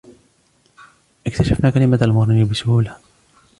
اكتشفنا كلمة المرور بسهولة